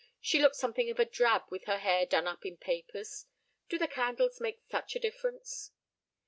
She looked something of a drab with her hair done up in papers. Do the candles make such a difference?"